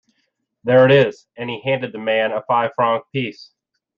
"There it is," and he handed the man a five-franc piece.